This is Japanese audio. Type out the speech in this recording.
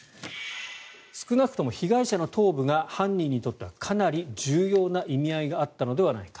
少なくとも被害者の頭部が犯人にとってはかなり重要な意味合いがあったのではないか。